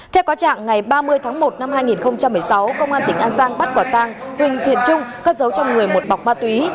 theo có trạng ngày ba mươi tháng một năm hai nghìn một mươi sáu công an tỉnh an giang bắt quả tang huỳnh thiện trung cất giấu trong người một bọc ma túy